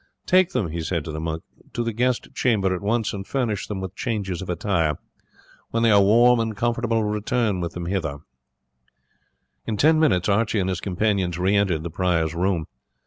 Take them," he said to the monk, "to the guest chamber at once, and furnish them with changes of attire. When they are warm and comfortable return with them hither." In ten minutes Archie and his companions re entered the prior's room.